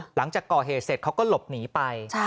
หลังจากก่อเหตุเสร็จเขาก็หลบหนีไป